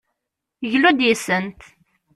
Glu-d yis-sent!